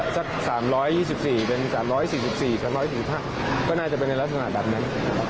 สัก๓๒๔เป็น๓๔๔๓๐ก็น่าจะเป็นในลักษณะแบบนั้น